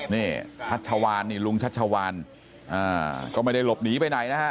นี่ชัชวานนี่ลุงชัชวานก็ไม่ได้หลบหนีไปไหนนะฮะ